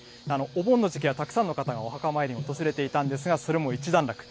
お盆の時期はたくさんの方がお墓参りに訪れていたんですが、それも一段落。